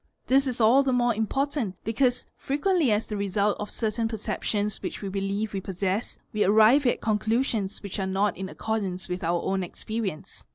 This is all the more important because frequently as the result of certain perceptions which TS e believe we possess, we arrive at conclusions which are not in accord ar ce with our own experience.